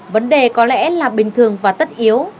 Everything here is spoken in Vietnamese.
vấn đề có lẽ là bình thường và tất yếu